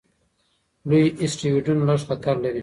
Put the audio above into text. لوی اسټروېډونه لږ خطر لري.